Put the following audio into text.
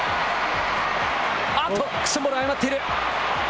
あっと、クッションボールになっている。